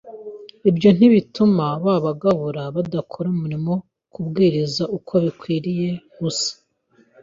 Ibyo ntibituma ba bagabura badakora umurimo wo kubwiriza uko bikwiriye gusa